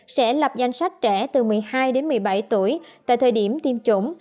sẽ lập danh sách trẻ từ một mươi hai đến một mươi bảy tuổi tại thời điểm tiêm chủng